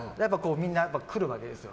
みんな来るわけですよ。